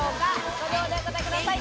５秒でお答えください。